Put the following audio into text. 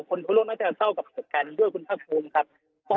คนทุกโลกน่าจะเศร้ากันด้วยคุณพระคุณครับ